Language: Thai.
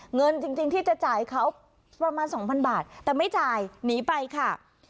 เงินจริงที่จะจ่ายเขาประมาณ๒๐๐บาทแต่ไม่จ่ายหนีไปค่ะ